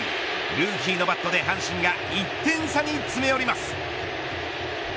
ルーキーのバットで阪神が１点差に詰め寄ります。